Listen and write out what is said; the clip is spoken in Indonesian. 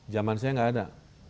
zaman saya enggak ada